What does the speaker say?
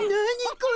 これ！